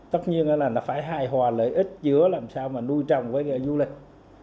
tất nhiên là phải hài hòa lợi ích giữa làm sao nuôi trồng với du lịch